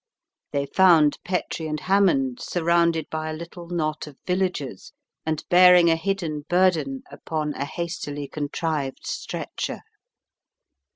They found Petrie and Hammond surrounded by a little knot of villagers, and bearing a hidden burden upon a hastily contrived stretcher.